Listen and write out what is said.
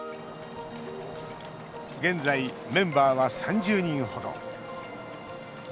現在、メンバーは３０人ほど。